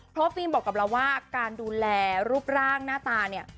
เพราะฟิล์มบอกกับเราว่าการดูแลรูปร่างหน้าตาเนี่ย